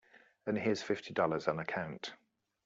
And here's fifty dollars on account.